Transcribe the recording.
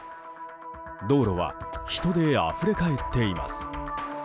道路は人であふれ返っています。